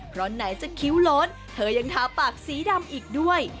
เพราะไหนจะคิ้วล้นเธอยังทาปากสีดำอีกด้วย